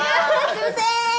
すんません。